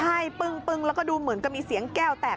ใช่ปึ้งแล้วก็ดูเหมือนกับมีเสียงแก้วแตก